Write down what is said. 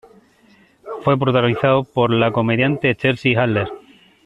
Fue protagonizado por la comediante Chelsea Handler.